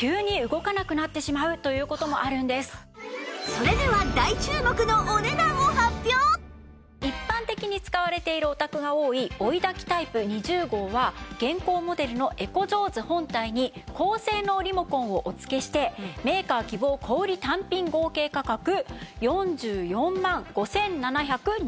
それでは一般的に使われているお宅が多い追い焚きタイプ２０号は現行モデルのエコジョーズ本体に高性能リモコンをお付けしてメーカー希望小売単品合計価格４４万５７２０円です。